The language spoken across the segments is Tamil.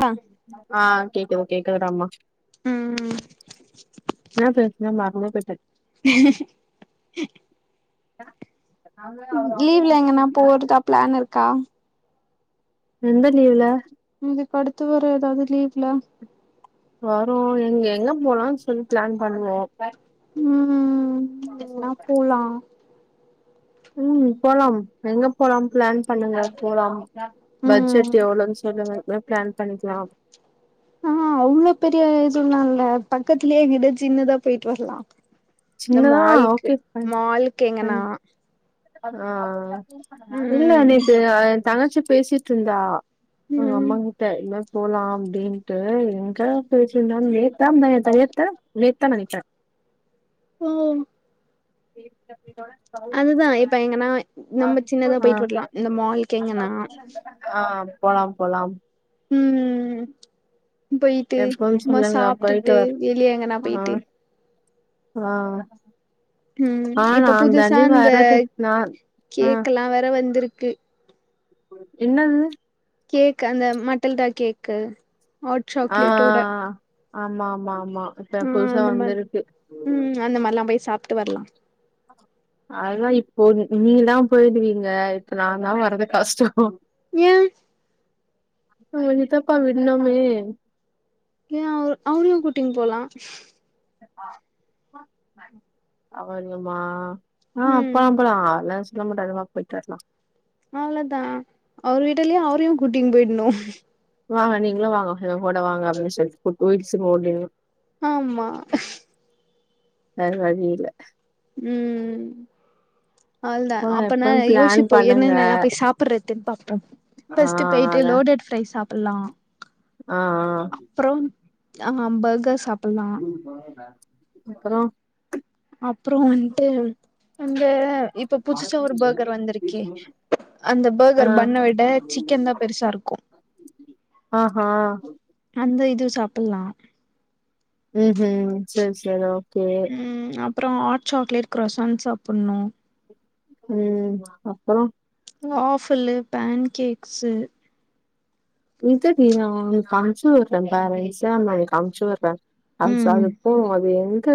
மா ஆ கேக்குது கேக்குதுடாமா ம் என்ன பேஸ்னே மற்ந்தே பேய்ட்டே நாங்க அவரு [unintelligible] ப்ளான் இருக்கா எந்த லீவ்ல இதுக்கு அடுத்து வர எதாவ்து லீவ்ல வரூ எங்க எங்க போலான் சொல்லி ப்ளான் பண்ணுவோ ம் எங்கனா போலா ம் போலாம் எங்க போலாம் ப்ளான் பண்ணுங்க போலாம் ம் பட்ஜெட் எவுளோன் சொல்லுங்க அப்புறோ ப்ளான் பண்ணிக்குலா ஆ அவ்ளோ பெரிய இதுலா இல்ல பக்கத்திலே எங்க்யாது சின்னதா பேய்ட்டு வர்லா இந்த சின்னதா மால்க்கு ஓகே ஃபைன் மாலுக்கு எங்கனா ஃபைன் ஆ இல்ல ம் நேத்து அ என் தங்கச்சி பேசிட்ருந்தா ம் அம்மாங்கிட்ட என்னா போலா அப்டின்ட்டு எங்க பேசிர்ந்தாலு நேத்தா முந்தாநேத்தா நேத்தா நேத்தா நெனைக்க ஐயோ அது கேட்ட விதா அதுதா இப்ப எங்கனா நம்ம சின்னதா பேய்ட்டு வர்லா இந்த மால்க் எங்கனா ஆ போலா போலாம் ம் போயிட்டு எப்போன்னு சும்மா சொல்லுங்க போயிட்டு சாப்ட்டுட்டு வர வெளிய எங்கனா ஆ பேட்டு ஆ ம் ஆ இப்ப நான் புதுசா தாண்டி இந்த வர்றது நான் ஆ கேக்லா வேற வந்துருக்கு என்னது கேக் அந்த மட்டல்டா கேக்கு ஹாட் ஆ ஆ சாக்லேட்டோட ஆ ஆமா ஆமா ஆமா இப்ப ம் புதுசா அந்த மாரி வந்திருக்கு ம் அந்த மாரிலா போய் சாப்ட்டு வர்லா அதுதா இப்போ நீங்லா போயிடுவீங்க இப்ப நா தா வர்றது கஷ்டோ ஏன் எங் சித்தப்பா விட்னுமே ஏன் அவர் அவரையு கூட்டின் போலா அவரையுமா ஆ ம் போலா போலா அத்லாம் எது சொல்லா மாட்டாரு வா போய்ட்டு வரலா அவ்ளதா அவர் விடுலயா அவரையு கூட்டின் போயின்னு வாங்க நீங்களு வாங்க எங்ககூட வாங்க அப்டின் சொல்லிட்டு [unintelligible] ஓடின்னு ஆமா வேற வழி இல்ல ம் அவ்ள்தா போல அப்பனா எப்பன்னு பிளான் யோசிப்போ பண்ணுங்க என்னென்னலா பேய் சாப் ப்புறதுன் பாப்போ ஆ பஸ்ட்டு பேய்ட்டு அத லோடட் ப்ரைஸ் சாப்புல்லா ஆ ஆ அப்றோ ஆ பர்ஹர் சாப்புல்லா அப்றோ அப்றோ வன்ட்டு இங்க இப்ப புதுசா ஒரு பர்ஹர் வந்துருக்கே அந்த ஆ பர்ஹர் பன்ன விட சிக்கன் தா பெருசாருக்கு ஆ ஹா அந்த இது சாப்புல்லா ம் ஹூம் செரி செரி ஓகே ம் அப்றோ ஹாட் சாக்லேட் க்ரஸன் சாப்புண்ணு ம் அப்பறோ ஆஃபலு பேன் கேக்ஸு இது டி நா ஒனக்கு அம்ச்சிவுர்றே பாரு எக்ஸாம்புல் அம்ச்சிவுர்றே அம்ஸ் ம் அது போ அது எங்க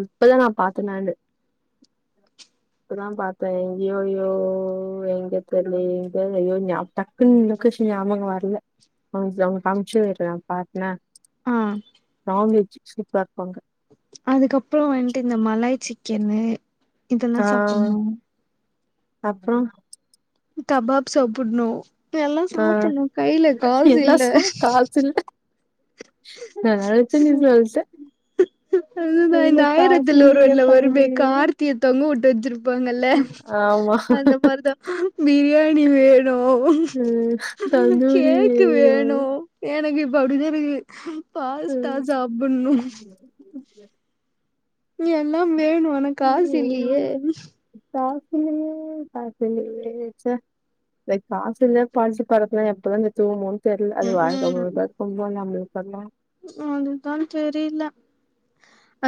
இப்பதா நா பாத்த நானு இப்பதா பாத்தே எங்யோ யோ எங்க தெர்லயே எங்க ஐயோ ஞா டக் குனு லொக்கேஷன் ஞாபகோ வர்ல நா ஒனக்கு அம்ச்சிவிட்றே பாத்தியா ஆ நான்வெஜ் சூப்பரா வெப்பாங்க அதுக்கப்றோ வன்ட்டு இந்த மலாய் சிக்கென்னு இதெல்லா சாப்புண்ணு அப்றோ தபாப் சாப்புட்ணு இதெல்லா ஆ சாப்புண்ணு கைல காசு எல்லா இல்ல சாங் காசு இல்ல நா நெனச்சே நீ சொல்ட அது தா இந்த ஆயிரத்தில் ஒருவன்ல வருமே பங்கு கார் திய தொங்க உட்டு வச்சிருப்பாங்கல்ல ஆமா அந்த மாரிதா பிரியாணி வே ணு ம் தந்தூரி கேக்கு வேணு எனக்கு இப்ப அப்டி தா இருக்கு பாஸ்தா சாப்புண்ணு நீ எல்லாம் வேணு ஆனா காஸ் இல்லியே காஸ் இல்லியே காஸ் இல்லியே ச்ச ஏய் காஸ் இல்ல பால்ஸி [unintelligible] எப்பதா கத்துக்குவோமோன்னு தெர்ல அது வாழ்க்க முழுக்கு இருக்கோ [unintelligible] தெர்ல அதுதான் தெரில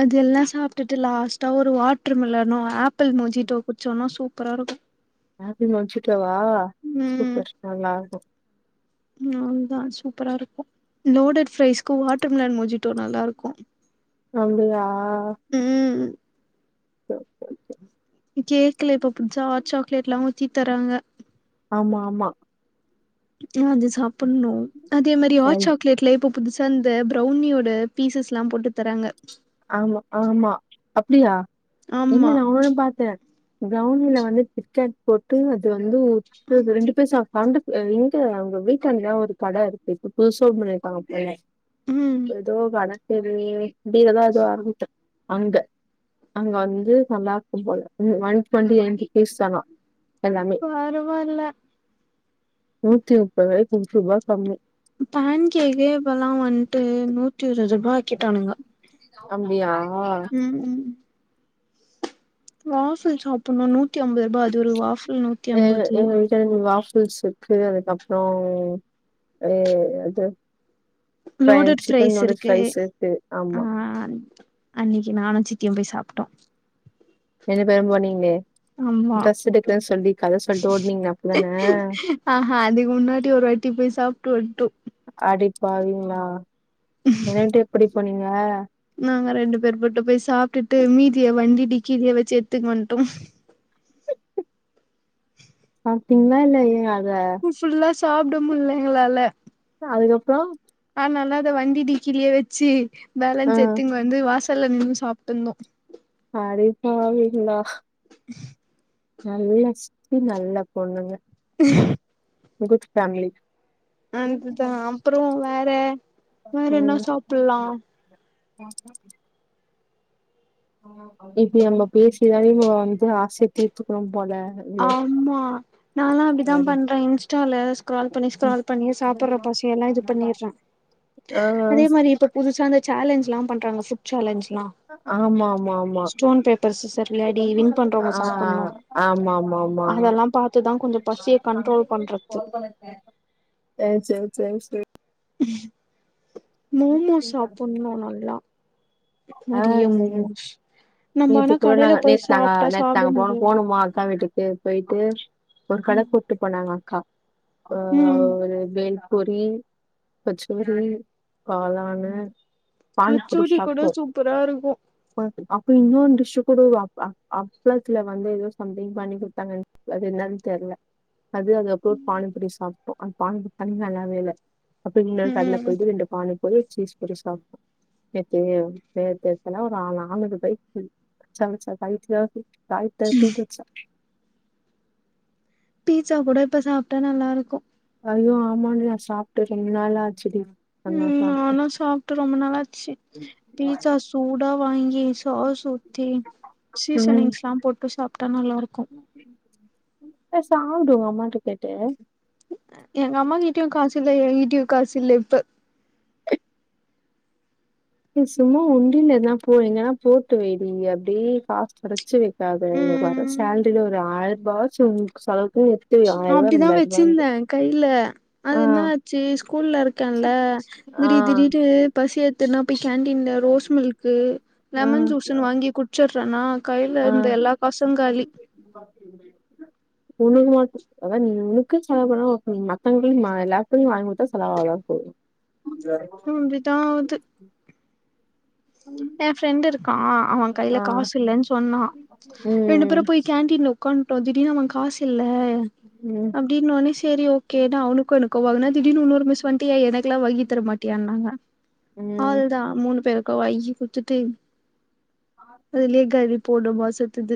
அதெல்லா சாப்டுட்டு லாஸ்ட்டா ஒரு வாட்டர்மிலனு ஆப் பிள் மொஜிட்டோ குடிச்சோன்னா சூப்பரா இருக்கு ஆப்பிள் மொஜிட்டாவா சூப்பர் நல்லாருக்கும் நான்தா சூப்பரா இருக்கு லோடட் ஃப்ரைஸ்க்கு வாட்டர்மெலன் மொஜிட்டோ நல்லாருக்கு அங்கையா ம் ஓகே ஓகே கேக்ல இப்ப புச்சா ஹாட் சாக்லேட்லா ஊத்தி தராங்க ஆமா ஆமா ஆ அது சாப்புட்னு அதே மாரி ஹாட் என் சாக்லேட்லே இப்போ புதுசா இந்த ப்ரௌனியோட பீசஸ்லா போட்டுத் தராங்க ஆமா ஆமா அப்டியா இல்ல ஆமா நானு பாத்த ப்ரௌனில வந்து கிட் கேட் போட்டு அது வந்து இல்ல இது ரெண்டு பேர் சாப்லான்டு ஆ எங்க அவுங்க வீட்டாண்ட ஒரு கட இருக்கு இப்ப புதுசா ஓப்பன் பண்ணிருக்காங்க போல ம் ஏதோ வடதெரு பி லதா ஏதோ ஆரம்பிக்கும் அங்க அங்க வந்து நல்லாருக்கும் போல இது ஒன் டுவென்டி ரெண்டு பீஸ் தானா எல்லாமே பரவாயில்ல நூத்தி முப்பது ரூவாய்க்கு ரெண்ருவா கம்மி பேன் கேக்கே இப்பல்லா வந்ட்டு நூத்தி இருவது ரூபா ஆக்கிட்டானுங்க அப்டியா ம் ம் வாஃபுல் சாப்புட்னு நூத்தி அம்பது ரூபா அது ஒரு வாஃபுல் நூத் ஏங்க எங்க வீட் எரநூறு வாஃபுல்ஸ் இருக்கு அதுக்கப்ற ஏ அது ஃப்ரை லோடட் ஃப்ரைஸ் சிக்கனோட இருக்கு ஃப்ரைஸ் இருக்கு ஆ ஆமா அன்னைக்கு நானு சித்தியும் போய் சாப்ட்டோ ரெண்டு பேரும் போனீங்களே ஆமா ட்ரெஸ் எடுக்கறேன்னு சொல்லி கத சொல்ட்டு ஓடுனீங்களே அப்பதான ஆஹ அதுக்கு முன்னாடி ஒருவாட் டி போய் சாப்ட்டு வந்ட்டோ அடிப்பாவீங்களா என்ன உட்டு எப்படி போனீங்க நாங்க ரெண்டு பேர் பொட்டு போய் சாப்ட்டுட்டு மீதிய வண்டி டிக்கிலேயே வச்சு எடுத்துட்டு வந்ட்டோ சாப்ட்டீங்களா இல்லையா அத ஃபுல்லா சாப்ட முட்ல எங்களால ல அதுக்கப்பறோ ஆனால அத வண்டி டிக்கிலேயே வச்சு ஆ பேலன்ஸ் எடுத்துன்னு வந்து வாசல்ல நின்னு சாப்ட்டுந்தோ அடிப்பாவிங்களா நல்ல சித்தி நல்ல பொண்ணுங்க குட் ஃபேமிலி அனுப்புதா அப்றோ வேற வேற என்ன சாப்புல்லா ம் இப்டி நம்ம பேசிதான்டி நம்ம வந்து ஆசை தீர்த்துக்கனும் போல இல்ல ஆமா நாலா அப்டிதா வேற பண்றே இன்ஸ்டால ஸ்க்ரால் பண்ணி ம். ஸ்க்ரால் பண்ணி சாப்புற பசியெல்லா இது பண்ணிடுறே ஆ அ புதுசா இந்த சேலஞ்ச்லா பண்றாங்க ஃபுட் சேலஞ்ச்லா ஆமா ஆமா ஆமா ஸ்டோன் பேப்பர் சிஸ்சர் விளாடி வின் பண்றவங்க சாப்பணு ஆமாமாமா கொஞ்சோ பசிய கண்ட்ரோல் பண்றது அ செர் செர் செர் மோமோஸ் சாப்பட்ணு நல்லா நெறிய ஆ மோமோஸ் நம்ம நேத்து ஆனா கூட கடைல நாங்க போய் நேத்து நாங்க சாப்ட்டா நேத்து சாப்ட நாங்க போனோ முடியாது போனோமா அக்கா வீட்டுக்கு பொயிட்டு ஒரு கட கூட்டு போனாங்க அக்கா ஆ ம் ஒரு பெல்பூரி கச்சோரி காளானு கச்சோரி கூட சூப்பரா இருக்கு ப்ப அப்போ இன்னோ டிஷ் கூட அப் அப் அப்ளத்துல வந்து எதோ சம்திங் பண்ணி குடுத்தாங்க அது என்னான் தெர்ல அது அதுகப்றோ ஒரு பானி பூரி சாப்ட்டோ அந்த பானி பூரி தண்ணி நல்லாவே இல்ல அப்றோ இன்ன கடைல ம் போய்ட்டு ரெண்டு பானி கொறைய சீஸ் பொரி சாப்ட்டோ நேத்து நேத்து எத்தனா ஒரு அ நாலுறுபாய் ம் சமச்சா ஃபைவ் [unintelligible] ஃபைவ் தேர்ட்டிடு வச்சா பீஸா கூட இப்ப சாப்ட்டா நல்லா இருக்கு ஐயோ ஆமாடி நா சாப்ட்டு ரொம்ப நாள் ஆச்சுடி அதெல்லாம் ம் சாப்ட்டு. நானு சாப்ட்டு ரொம்ப நாளாச்சு பீஸா சூடா வாங்கி சாஸ் ஊத்தி சீசனிங்ஸ்லா போட்டு சாப்டா நல்லாருக்கு ஏ சாப்டு ஒங்க அம்மாட்ட கேட்டு எங்க அம்மா கிட்டையு காசு இல்ல எங்கிட்டையு காசு இல்ல இப்ப எ சும்மா உண்டியல் எதனா போடு எங்கன்னா போட்டு வைடி அப்டி காசு கெட ச்சு வைக்காத இங்க வர சேலரில ஒரு ம் ஆயிரூபாவாச்சு உன் செலவுக்கு எடுத் அப்டிதா வெச்சிருந்தே கைல அது ஆ, என்ன ஆச்சு ஸ்கூல்ல இருக்கேன்ல ஆ, திடீர் திடீடு பசி எத்துன்னா போய் கேண்டீன்ல ரோஸ் மில்க்கு ஆ, லெமன் ஜூஸ்ன்னு வாங்கி குடிச்சறேன்னா கைல ஆ இருந்த எல்லா காசு காலி உனக்கு மாட் அதா நீ உனக்குன் செலவு பண்ணா ஓகே நீ மத்தவங்களயு ம எல்லார்ட்டயு வாங்கி குடுத்தா செலவாகதா போது [unintelligible] ம் றிதாவது [unintelligible] எ ஃப்ரெண்ட் இருக்கா அவ கைல ஆ. காசு இல்லன் சொன்னா ரெண்டு ம், பேரும் போய் கேண்டீன்ல உக்காந்ட்டோ திடீர்னு அவ காசு இல்ல ம் அப்டின்னோனே செரி ஓகே நா அவனுக்கு எனக்கு வாங்குனா திடீர்னு உன்னொரு மிஸ்ஸு வந்ட்டு ஏ எனக்கெல்லா வங்கி தர மாட்டியான்னாங்க ம். அவ்ளதா மூணு பேருக்கு வாங்கி குத்துட்டு அதுலே காலி போன மாசத்துது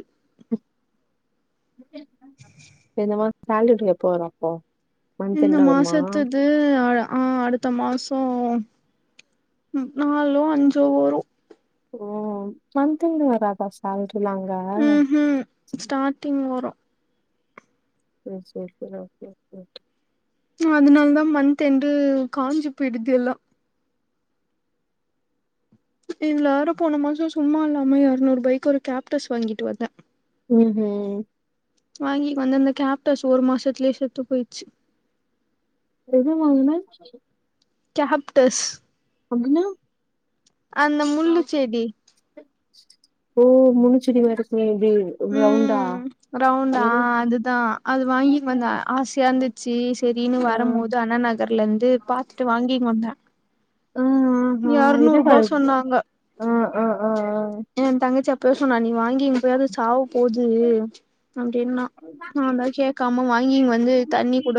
இந்த மாரி சாலட்ல போற அப்போ மந்த் இந்த எண்ட் வருமா மாசத்து து ம் ஆ அடுத்த மாசோ நாலோ அஞ்சோ வரு ஓ மன்த்லி வராதா சேலரிலா அங்க ம் ஹும் ஸ்டார்டிங் வரு ஓ செரி செரி ஓகே ஓகே ஓகே அதனாலதா மந்த்எண்டு காஞ்சி போயிடுது எல்லா இதுல வேற போன மாச சும்மா இல்லாம இரநூறுபாய்க்கு ஒரு கேப்டஸ் வாங்கிட்டு வந்த ம் ஹூ வாங்கி வந்திருந்த கேப்டாஸ் ஒரு மாசத்துலயே செத்து போய்ச்சு என்ன வாங்குன கேப்டஸ் அப்டினா அந்த முள்ளுச்செடி ஓ முள்ளுச்செடி [unintelligible] ம் ரவுண்டா அ அதுதா அது வாங்கிட் வந்த ஆச எறந்துட்ச்சு சரின்னு ஆ வரம்போது அண்ணா நகர்ல இருந்து பாத்துட்டு வாங்கினு வந்த ம் ஹூ ஹூ எதுக் அழுறது அ அ அ அ என் தங்கச்சி அப்பவே சொன்னா நீ வாங்கினு போய் அத சாவு போது அப்டின்னா நா தா கேட்காம வாங்கின் வந்து தண்ணி கூட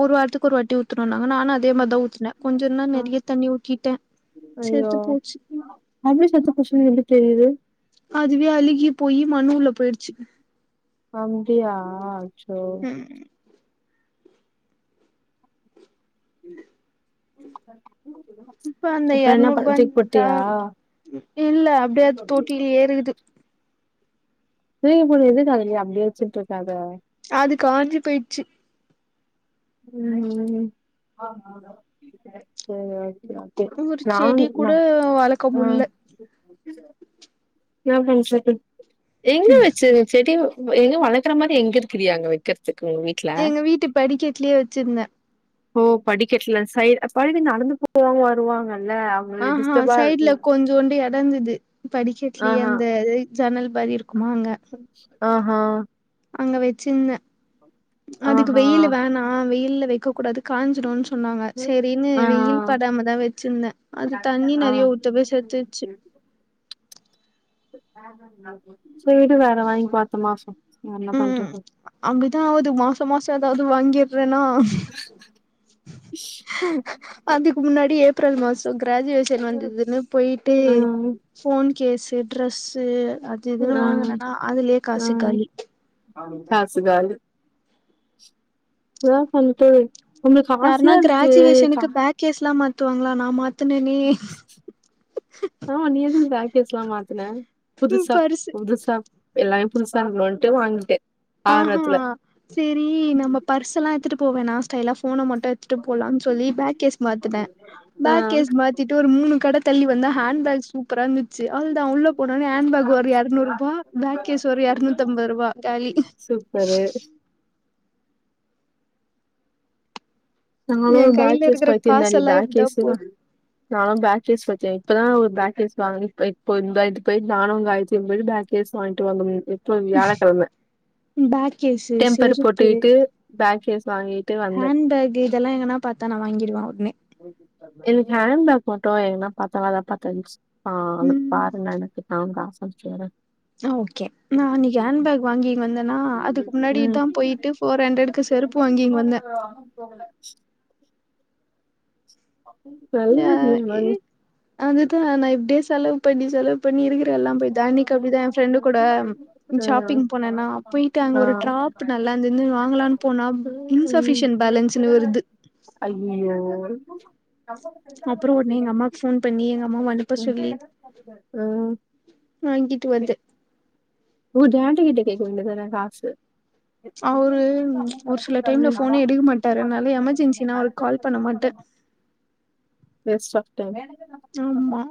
ஒரு வாரத்துக்கு ஒரு வாட்டி ஊத்துணுனாங்க நானு அது அதே மாரிதா ஊத்துனே கொஞ்சோ தா ஆ நெறய தண்ணி ஊத்திட்ட செத்து போச்சு அதுவே செத்து போச்சுன்னு எப்டி தெரிது அதுவே அழுகி போயி மண்ணு உள்ள போய்டுச்சு அங்கயா அச்சோ ம் அந்த இப்ப என்னா பண்ண எரநூறுபா தூக்கி தா போட்டியா இல்ல அப்டியே அது தொட்டிலயே இருக்குது வெளிய போடு எதுக்கதுலயே அப்டியே வச்சிட்ருக்காத அது காஞ்சி போய்ச்சு ம் சரி வக்கிற ஒரு செடி கூட வளக்க ஆ முட்ல எங்க வச்சு செடி எங்க வளக்கற மாரி எங்க இருக்கிறியாங்க வ [unintelligible] எங்க வீட்டு படிக்கட்லயே வச்சிருந்த ஓ படிக்கட்ல சை படிக்கட்ல நடந்து போவாங்க வருவாங்கல்ல அவங்க ஆஹா டிஸ்டர்பா சைட்ல இருக்கு கொஞ் ண்டு இடந்திது படிக்கட்லயே ஆஹா அந்த ஜன்னல் மாரி இருக்குமா அங்க ஆஹா அங்க வச்சிருந்த அதுக்கு ஆஹா வெயிலு வேணா வெயில வைக்க கூடாது காஞ்சிடு சொன்னாங்க சரின்னு ஆ வெயில் படாமதா வச்சிருந்த அது தண்ணி ஆ நெறய ஊத்த போய் செத்துர்ச்சு செரி வேற வாங்கிபோ அத்த மாச வேறென்ன ம் பண்றது அப்டிதா ஆவுது மாச மாச எதாவது வாங்கிடுறனா உ அதுக்கு முன்னாடி ஏப்ரல் மாச கிராஜுவேஷன் வந்ததுன்னு போய்ட்டு ம் ஃபோன் கேஸு ட்ரெஸ்ஸு இதுன்னு ம் வாங்குனன்னா அதுலயே காசு ம் காலி காசு காலி என்னா பண்ட்டு நம்மளுக்கு ஆசையா இருக்குகா கேஸ்ல்லா மாத்துவாங்களா நா மாத்துனனே ஆமா நீ எதுக்கு பேக்கேஸ்லா மாத்துன புதுசா பர்சு புதுசா எல்லாமே புதுசா இருக்கணுட்டு வாங்கிட்டே ஆஹா ஆர்வத்துல சேரி நம்ம பர்ஸ் எல்லா எத்துட்டு போவேனா ஸ்டைலா ஃபோன மட்டு எத்துட்டு போலாம்னு சொல்லி பேக் கேஸ் மாத்துனே ஆ பேக் கேஸ் மாத்திட்டு ஒரு மூணு கட தள்ளி வந்தா ஹாண்ட்பேக் சூப்பரா இருந்துச்சு அவ்ளதா உள்ள ஒடனே ஹேன்ட் பேக் ஒரு இரநூறுரூபா பேக்கேஸ் ஒரு இரநூத்தி ஐம்பது ரூபா காலி சூப்பரு நா லா ஒரு என் பேக் கையில கேஸ் இருக்கிற பைத்தியந்தா நீ காசெல்லா பேக் இப்டிதா கேஸ்தா போது நானு பேக் கேஸ் பைத்தியோ இப்பதா ஒரு பேக் கேஸ் வாங்குனே இப்ப இப்ப இந்த இது போயி நானு காயத்ரியு போயிட்டு பேக் கேஸ் வாங்கிட்டு வந்தமே எப்ப வியாழக்கெழம பேக் கேஸு டெம்பர் செருப்பு போட்டுக்கிட்டு பேக் கேஸ் வாங்கி ஹேண்பேக் இதெல்லா எங்கனா பாத்தா நா வாங்கிடுவே ஒடனே எனக்கு ஹேண்பேக் மட்டு எங்கன்னா பாத்தா நல்லதா பாத்து வாங்க சொல்லு ஆ அங்க ம் பாருங்க எனக்குத்தா காசு அமிச்சி விட்றே ஆ ஓகே நா அன்னக்கி ஹேண்ட்பேக் வாங்கினு வந்தேன்னா அதுக்கு ம் முன்னாடிதா போயிட்டு ஒரு ரெண்டடுக்கு செருப்பு வாங்கினு வந்தே போகல ஏ இ அதுதா நா இப்டியே செலவு பண்ணி செலவு பண்ணி இருக்குற எல்லா போய் அன்னிக்கு அப்டிதா ஏ ஃப்ரெண்டு கூட ஷாப்பிங் போனேனா போயிட்டு அங்க ஆ ஒரு ஆ டிராப் நல்லா இருந்ததுன்னு வாங்கலான்னு போனா இன்சபிசியன்ட் பேலன்ஸ்ன்னு வருது அய்யய்யோ அப்பறோ ஒடனே எங்க அம்மாக்கு ஃபோன் பண்ணி எங்க அம்மாவ அனுப்ப சொல்லி ம் வாங்கிட்டு வருது ஒ டாடி கிட்ட கேக்க வேண்டி தான காசு அவரு ஒரு சில டைம்ல ஃபோனே எடுக்க மாட்டாரு அதனால எமர்ஜென்சினா அவருக்கு கால் பண்ண மாட்டே வேஸ்ட் ஆஃப் டைம் ஆமா